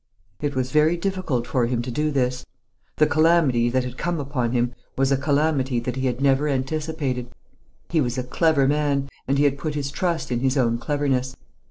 It was very difficult for him to do this. The calamity that had come upon him was a calamity that he had never anticipated. He was a clever man, and he had put his trust in his own cleverness.